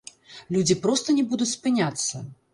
Людзі проста не будуць спыняцца!